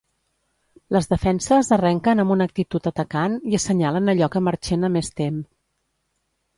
Les defenses arrenquen amb una actitud atacant i assenyalen allò que Marchena més tem.